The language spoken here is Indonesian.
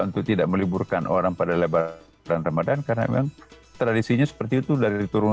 untuk tidak meliburkan orang pada lebaran ramadhan karena memang tradisinya seperti itu dari turun